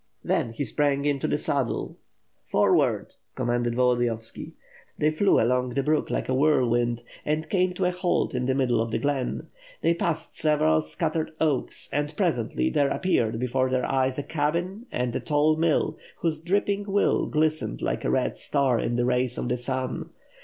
Then he sprang into the saddle. "Forward!" commanded Volodiyovski. They flew along the brook like a whirlwind, and came to a halt in the middle of the glen. They passed several scattered oaks and pre sently there appeared before their eyes a cabin and a tall mill, whose dripping wheel glistened like a red star in the rays of the sun.